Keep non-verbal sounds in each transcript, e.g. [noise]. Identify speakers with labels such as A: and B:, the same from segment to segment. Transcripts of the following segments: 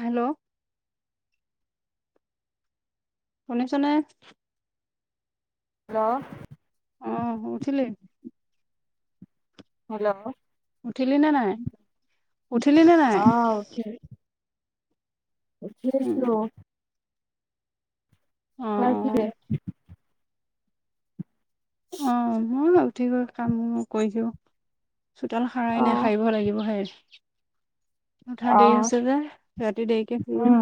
A: Hello! শুনিছনে?
B: Hello.
A: অহ উঠিলি।
B: হেল্ল'।
A: উঠিলি নে নাই? উঠিলি নে নাই?
B: অহ উঠিলোঁ। উঠিছোঁ।
A: অ' অ'
B: [unintelligible]
A: অ' মই উঠি কৰি কাম বন কৰি দিও। চোতাল সাৰাই নাই, সাৰিব লাগিবহে এতিয়া। উঠা
B: অ
A: দেৰি হৈছে যে, ৰাতি দেৰিকে শুলো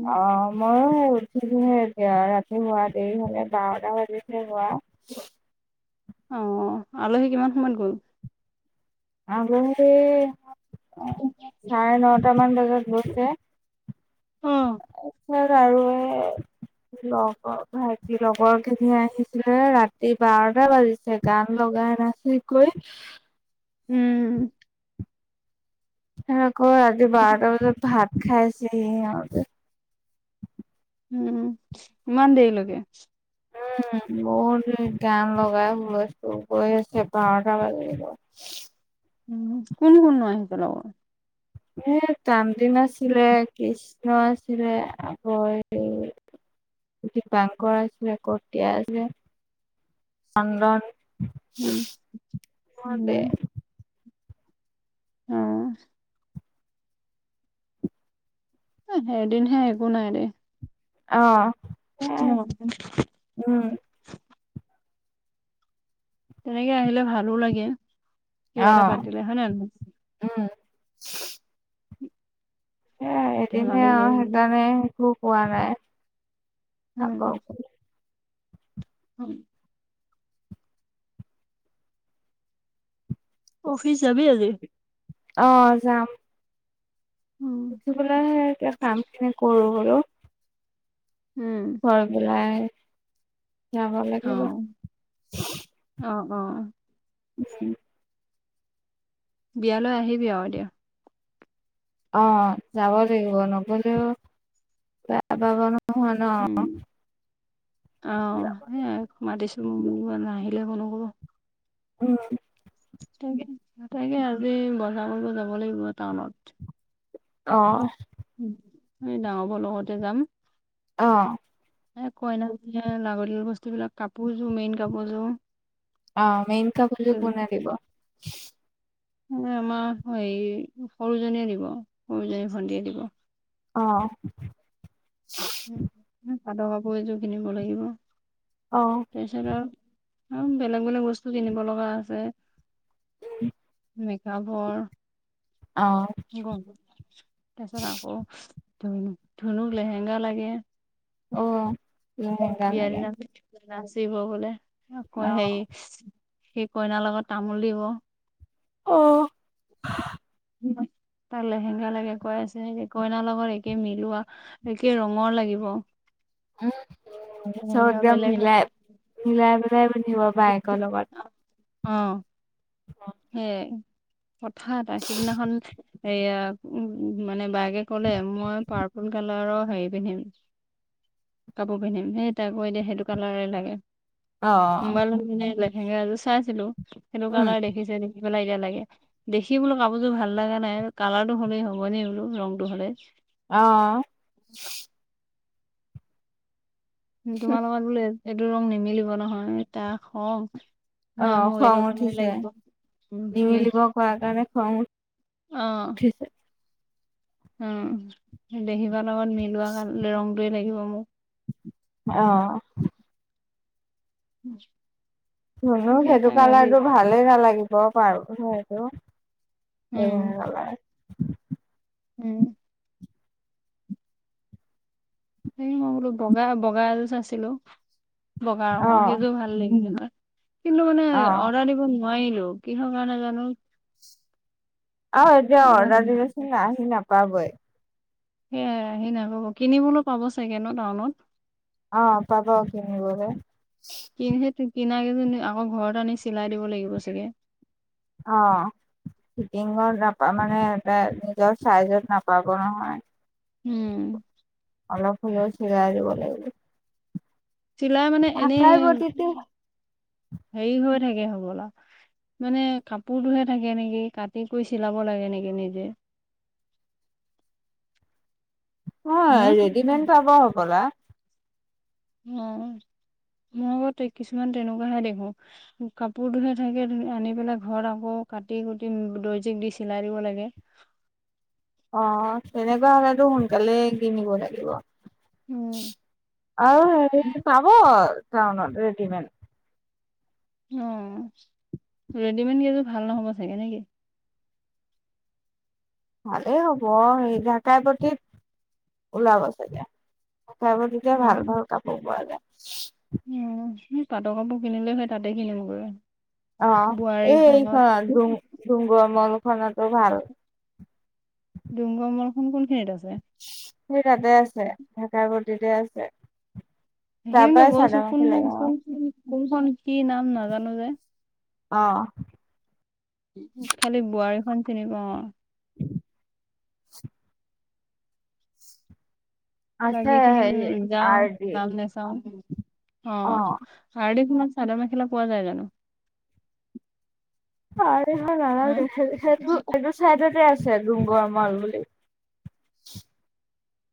A: উম।
B: মইও হে উঠিলোহে এতিয়া, ৰাতি শুৱা দেৰি হ'লে বাৰটা বাজিচে শুৱা
A: অ', অহ' আলহী কিমান সময়ত গ'ল।
B: আলহী চাৰে নটামান বজাত গৈছে।
A: অ'
B: [unintelligible] লগৰ ভাইটি লগৰ খিনি আহিছিলে, ৰাতি বাৰটা বাজিছে। গান লগাই নাচি নাচি কৰি।
A: উম।
B: সিহঁত আকৌ ৰাতি বাৰটা বজাত ভাত খাইছেহিহে, আহোঁতে
A: উম, ইমান দেৰিলৈকে
B: উম, বহুত গান লগাই হুলস্থূল কৰি আছে, বাৰটা বাজিল গৈ।
A: উম, কোন কোন নো আহিছে লগত।
B: এ ত্ৰন্তিম আছিলে, কৃষ কৃষ্ণ আছিলে, আৰু হেৰি দীপাংকৰ আছিলে, কতিয়া আছিলে, চন্দন
A: উম,
B: হ'ব দে।
A: উম। উম। অই এদিনহে, একো নাই দে।
B: অহ'। সেয়াই
A: [unintelligible]
B: উম।
A: তেনেকে আহিলে ভালো লাগে, কিবা
B: অ
A: এটা পাতিলে হয় নে নহয়।
B: উম। সেয়াই এদিনহে
A: ধেমালি
B: আৰু
A: কৰি মেলি
B: সেইকাৰণে একো কোৱা নাই আকৌ।
A: উম, [unintelligible] অফিচ যাবি আজি?
B: অঁ যাম।
A: উম।
B: উঠিবলৈহে এতিয়া কামখিনি কৰো আৰু।
A: উম।
B: ত পেলাই। যাব লাগিব
A: অঁহ অঁহ অঁহ
B: উম
A: বিয়ালৈ আহিবি আৰু দিয়া।
B: অঁ যাব লাগিব নগ'লেও বেয়া পাব নহয় ন।
A: অঁ এই ঘুমা দিছো মোৰ নাহিলে একো নকব।
B: উম।
A: তাকে তাকে আৰু দেই বজাৰ কৰিব যাব লাগিব টাউনত।
B: অঁ
A: উম ডাঙৰবোৰৰ লগতে যাম।
B: অঁ
A: এই কইনা লাগতিয়াল বস্তু বিলাক কাপোৰযোৰ মেইন কাপোৰযোৰ।
B: অঁ মেইন
A: এ
B: কাপোৰযোৰ কোনে দিব?
A: আমাৰ হেৰি সৰুজনীয়ে দিব সৰুজনী ভণ্টিয়ে দিব।
B: অঁ
A: হুম, মোৰ পাটৰ কাপোৰ এযোৰ কিনিব লাগিব।
B: অঁ
A: তাৰ পিছত আৰু, আৰু বেলেগ বেলেগ বস্তু কিনিব লগা আছে।
B: [unintelligible]
A: মেকআপৰ।
B: অঁ
A: গৰম তাৰ পিছত আকৌ ধুন ধুনুক লেহেংগা লাগে।
B: অ লেহেংগা
A: বিয়া
B: লাগে
A: দিনাখন নাচিব বোলে, আকৌ
B: অ'।
A: হেৰি সি কইনাৰ লগত তামোল দিব।
B: অ
A: তাই লেহেংগা লাগে কৈ আছে, সেই কইনাৰ লগত একে মিলোৱা। একে ৰঙৰ লাগিব।
B: উমহো চব
A: লেহেংগা
B: একদম
A: বেলেগ
B: মিলাই মিলাই মিলাই পিন্ধিব বায়েকৰ লগত।
A: অঁ সেইয়াই। কথা এটা সিদিনাখন এইয়া উম মানে বায়েকে কলে মই পাৰ্পল কালাৰৰ হেৰি পিন্ধিম কাপোৰ পিন্ধিম সেই তাইকো এতিয়া সেইটো কালাৰে লাগে।
B: অ',
A: মোবাইলত মানে লেহেংগা এযোৰ চাইছিলো, সেইটো
B: উম,
A: কালাৰ দেখিছে দেখি পেলাই এতিয়া লাগে। দেখি বোলো কাপোৰযোৰ ভাল লগা নাই, আৰু কালাৰটো হ'লেই হ'বনি বোলো ৰঙটো হ'লেই।
B: অঁ
A: তোমাৰ লগত বোলে এই এইটো ৰং নিমিলিব নহয়, তাৰ খং। নাই
B: অ',
A: মোক
B: খং
A: এইটো কালাৰে
B: উঠিছে।
A: লাগিব, উম দেই।
B: নিমিলিব কোৱাৰ কাৰণে খং উঠ উঠিছে।
A: উম দেখিবাৰ লগত মিলোৱা ৰংটোয়ে লাগিব মোক।
B: অঁ শুনো
A: তাকে
B: সেইটো
A: তাক আজি
B: কালাৰটো ভালেই নালাগিব বাৰু সেইটো।
A: উম
B: [unintelligible]
A: উম। সেই মই বোলো বগা বগা এযোৰ চাইছিলোঁ, বগা ৰঙৰ
B: অ',
A: সেইযোৰ ভাল লাগি [unintelligible] কিন্তু মানে
B: অ'।
A: অৰ্ডাৰ দিব নোৱাৰিলোঁ কিহৰ কাৰণে জানো।
B: আ, এতিয়া অৰ্ডাৰ দিলেচোন আহি নাপাবই।
A: সেয়াই আহি নাপব। কিনিবলৈ পাব চাগে ন' টাউনত?
B: অ' পাব কিনিবলে।
A: কিনিহে কিনাকেইজন আকৌ ঘৰত আনি চিলাই দিব লাগিব চাগে।
B: অ' ফিটিঙৰ নাপা মানে এ, নিজৰ চাইজত নাপাব নহয়।
A: উম।
B: অলপ হ'লেই চিলাই দিব লাগিব।
A: চিলাই মানে এনেই
B: ঢাকাই বটিতে
A: হেৰি হৈ থাকে হ'বলা। মানে কাপোৰটোহে থাকে নেকি, কাটি কৰি চিলাব লাগে নেকি নিজে। হয়নে
B: অ' ৰেডিমেড পাব হ'বলা।
A: অ' মই আগত কিছুমান তেনেকুৱাহে দেখো। কাপোৰটোহে থাকে, আনি পেলাই ঘৰত আকৌ কাটি কুটি দৰ্জীক দি চিলাই দিব লাগে।
B: অ' তেনেকুৱা হ'লেতো সোনকালেই কিনিব লাগিব।
A: উম
B: আৰু হেৰি পাব টাউনত ৰেডিমেড।
A: অ' ৰেডিমেড কেইযোৰ ভাল নহ'ব চাগে নেকি?
B: ভালেই হ'ব। অ' সেই ঢাকাই প্ৰতিত ওলাব চাগে। [unintelligible] ভাল
A: অ
B: ভাল কাপোৰ পোৱা যায়।
A: উম, হেই পাটৰ কাপোৰ কিনিলে হেই তাতে কিনিমগৈ।
B: অ' এই
A: বোৱাৰীখনত
B: [unintelligible] ভাল।
A: ডুংগমলখন কোনখিনিত আছে?
B: সেই তাতে আছে, ভেকা ভটিতে আছে। তাৰ
A: সেইখিন
B: পৰাই
A: গৈছোঁ
B: চাদৰ
A: কোনটো
B: মেখেলা লাগে
A: কোন ক কোনখন কি নাম নাজানো যে।
B: অ'।
A: খালি বোৱাৰীখন চিনি পাওঁ অ'।
B: [inaudible] আছে
A: বাকীখিনি উ,
B: হেৰি
A: যাওঁ
B: আৰ ডি
A: [unintelligible] যাওঁ। অ হাৰ্ডিক সমান চাদৰ মেখেলা পোৱা যায় জানো?
B: [unintelligible]
A: হা
B: সেই সেইটো চাইডতে আছে ডুংগৰ মল বুলি।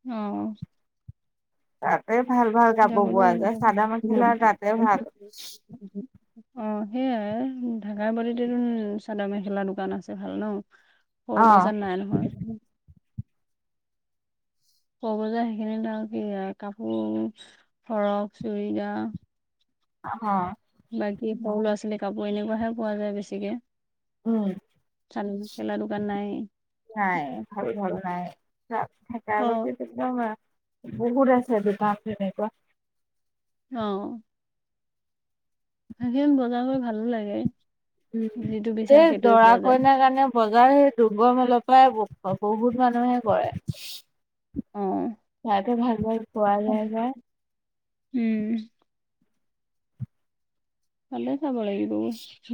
A: অ'।
B: তাতে ভাল ভাল কাপোৰ
A: যাব
B: পোৱা
A: লাগিব
B: যায় চাদৰ মেখেলা তাতে ভাল
A: [unintelligible] অ' সেইয়াই, ঢাকাই [unintelligible] চাদৰ মেখেলা দোকান আছে ভাল ন'। সৰু
B: অ
A: বজান নাই নহয়। ক'ব যা সেইখিনি ধওঁ কি হয় কাপোৰ, ফৰক চুইজাৰ।
B: অ'।
A: বাকী সৰু ল'ৰা ছোৱালীৰ কাপোৰ এনেকুৱাহে পোৱা যায় বেছিকে।
B: উম
A: চাদৰ মেখেলা দোকান নাই।
B: নাই ভাল ভাল নাই।
A: অ
B: [unintelligible] একদম আ, বহুত আছে দোকান তেনেকুৱা।
A: অ'। [unintelligible] বজাৰ কৰি ভালো লাগে।
B: উম,
A: যিটো বিচাৰে
B: এই
A: সেইটোৱে
B: দৰা
A: পোৱা যায়
B: কইনাৰ কাৰণে বজাৰ সেই দুগ্গ মিলৰ পৰাই বহুত মানুহে কৰে।
A: উম।
B: তাতহে ভাল, ভাল পোৱা যায়
A: উম। তাতে চাব লাগিব,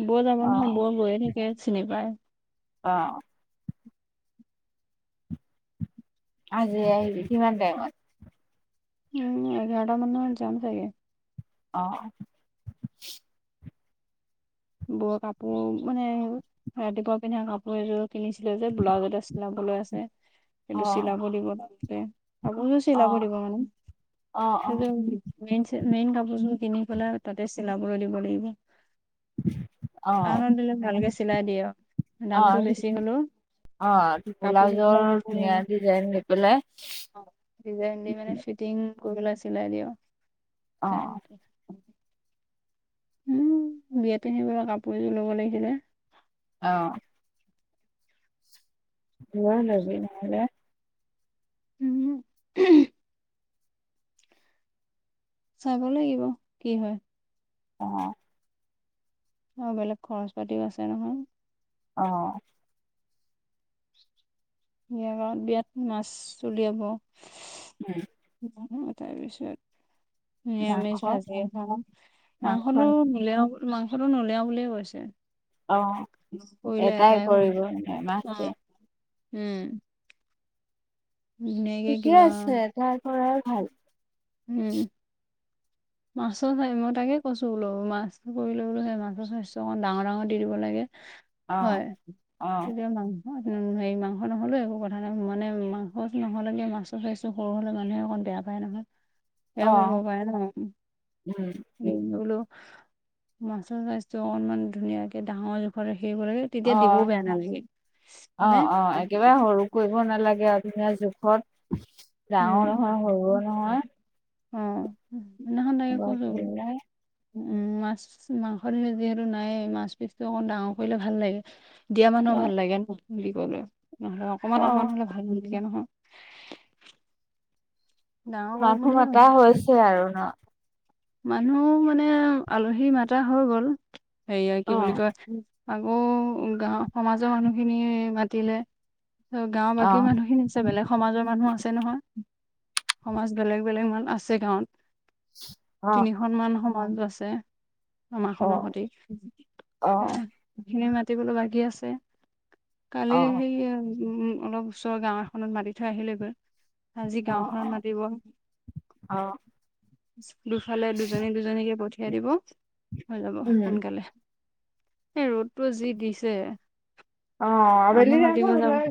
A: বৌ যাব
B: অ
A: নহয়, বৌ গৈয়ে থাকে চিনি পায়।
B: অ'। আজি আহিলি, কিমান টাইমত?
A: উম, এঘাৰটা মানত যাম চাগে।
B: অ'।
A: বোৰ কাপোৰ মানে, ৰাতিপুৱা পিন্ধা কাপোৰ এযোৰ কিনিছিলোঁ যে ব্লাউজ এটা চিলা বলৈ, আছে।
B: অ
A: কিন্তু চিলাব দিব [inaudible] কাপোৰযোৰ
B: অ
A: চিলাব দিব মানে,
B: অ
A: সেইযোৰ মেইন চে, মেইন কাপোৰযোৰ কিনি পেলাই তাতে চিলাবলৈ দিব লাগিব।
B: [unintelligible]
A: টাউনত দিলে ভালকে চিলাই দিয়ে, আৰু
B: অ
A: দামটো বেছি হ'লেও।
B: অ',
A: কাপোৰ মানে
B: ব্লাউজৰ ধুনীয়া ডিজাইন দি পেলাই
A: ডিজাইন দি মানে ফিটিং কৰিবলৈ চিলাই দিয়ে
B: অ
A: আৰু উম, বিয়াত পিন্ধিবলৈ কাপোৰ এযোৰ ল'ব লাগিছিলে।
B: অ'। লৈ ল'বি, নহ'লে
A: উম। চাব লাগিব, কি হয়?
B: অ'।
A: অ', বেলেগ খৰচ পাতিও আছে নহয়।
B: অ'।
A: বিয়া গৱত, বিয়াত মাছ উলিয়াব।
B: উম।
A: তাৰপিছত
B: মাংস
A: নিৰামিষ ভাজি এখন,
B: মাংস
A: মাংসটো নুলিয়াও বু মাংসটো নুলিয়াওঁ বুলিয়ে কৈছে,
B: অ
A: ‌কৰিলে এটাই কৰিব। অ'। উম। ধুনীয়াকে
B: ঠিকে
A: কিবা
B: আছে, এটা কৰাই ভাল।
A: উম। মাছৰ চাইজ, মই তাকে কৈছোঁ বোলো মাছটো কৰিলে বোলো সেই মাছৰ চাইজটো অকণ ডাঙৰ ডাঙৰ দি দিব লাগে।
B: অ
A: হয়,
B: অ
A: তেতিয়া মাংস, উম, হেৰি মাংস নহ'লেও একো কথা নাই মানে মা মাছ নহ'লেগে মাছো চাইছোঁ সৰু হ'লে মানুহে অকণ বেয়া পায় নহয়। বেয়া
B: অ
A: পাব পাৰে ন?
B: উম
A: বোলো, মাছৰ চাইজটো অকণমান ধুনীয়াকে ডাঙৰ জোখত ৰাখি দিব লাগে।
B: অ
A: তেতিয়া দিবও বেয়া নালাগে,
B: অ
A: মানে
B: অ একেবাৰে সৰু কৰিব নালাগে আৰু, ধুনীয়া জোখত,
A: উম
B: ডাঙৰ নহয় সৰুও নহয়।
A: অ', সেইদিনাখন তাকে
B: গছ
A: কৈছোঁ বোলো উম, মাছ, মাংসৰ যিহেতু নাইয়ে মাছ পিছটো অকণ ডাঙৰ কৰিলে ভাল লাগে। দিয়া মানুহ ভাল লাগে নে দিবলৈ কলে নহ'লে অকমান
B: অ
A: অকমান হলে ভাল নলগে নহয় ডাঙৰ কৰিম
B: মানুহ
A: বুলিয়ে
B: মাতা
A: ভাবো
B: হৈছে আৰু ন
A: মানুহ মানে আলহী মাতা হৈ গ'ল হেৰিয়া কি
B: অ
A: বুলি কয় আকৌ গাঁও সমাজৰ মানুহখিনি মাতিল। গাঁৱৰ
B: অ
A: বাকী মানুহখিনি বেলেগ সমাজৰ মানুহ আছে নহয়, সমাজ বেলেগ বেলেগ মান আছে গাঁৱত
B: অ
A: সনমান সমাজো আছে
B: অ
A: আমাৰখনৰ সতি
B: অ
A: সেখিনি মাতিবলোঁ বাকী আছে কালি
B: অ
A: সেই উম অলপ ওচৰ গাঁও এখনত মাতি থৈ আহিলেগৈ আজি
B: অ
A: গাঁওখনত
B: অ
A: মাতিব
B: অ
A: দুফালে দুজনী দুজনীকে পঠিয়াই দিব। হৈ যাব
B: উম
A: সোনকালে এ ৰ'দটোও যি দিছে
B: অ
A: মানু
B: আবেলি
A: মাতিব
B: টাইমত
A: যাব,
B: ওলাই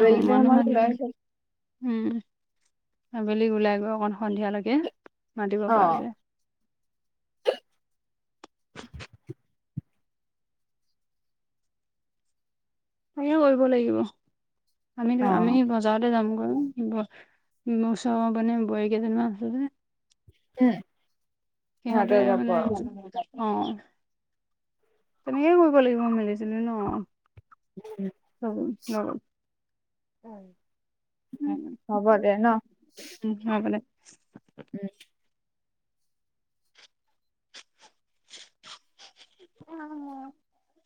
A: অ মানু
B: টাইমত ওলাই
A: মাতিমিনি
B: অ
A: উম আবেলি ওলাই গৈ অকমান সন্ধিয়ালৈকে মাতিব
B: অ
A: পৰা যায়। তাকে কৰিব লাগিব আমি দুই
B: উম
A: আমি বজাৰলৈ যাম গৈ নচোৱাবলে বোৱাৰীকেইজনীমান আছে যে
B: উম
A: সিহঁতৰে মানে অ তেনেকে কৰিব লাগিব মিলি জুলি ন
B: উম
A: [unintelligible] উম
B: হ'ব দে ন
A: [unintelligible]
B: উম
A: অ